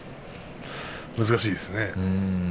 難しいですね。